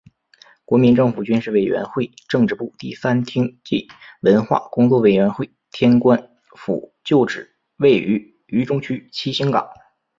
国民政府军事委员会政治部第三厅暨文化工作委员会天官府旧址位于渝中区七星岗。